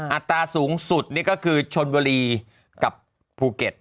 อัตราสูงสุดนี่ก็คือชนบุรีกับภูเก็ต